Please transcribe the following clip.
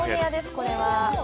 これは。